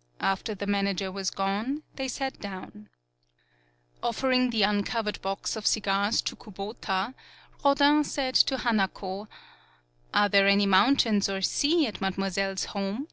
'* After the manager was gone, they sat down. Offering the uncovered box of cigars to Kubota, Rodin said to Hanako: "Are there any mountains or sea at Mademoiselle's home?'